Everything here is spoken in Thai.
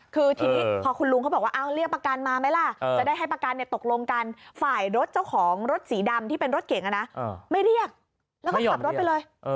คือทีนี้พอคุณลุงเขาบอกว่าเรียกประกันมาไหมล่ะจะได้ให้ประกันตกลงกันฝ่ายรถเจ้าของรถสีดำที่เป็นรถเก่งไม่เรียกแล้วก็ขับรถไปเลย